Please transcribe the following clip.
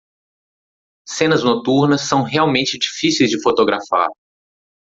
Cenas noturnas são realmente difíceis de fotografar